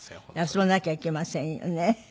休まなきゃいけませんよね。